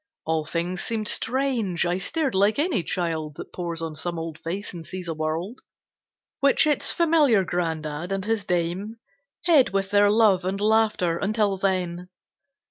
All things seemed strange, I stared like any child That pores on some old face and sees a world Which its familiar granddad and his dame Hid with their love and laughter until then.